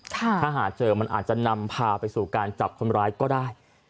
ถ้าหาเจอมันอาจจะนำพาไปสู่การจับคนร้ายก็ได้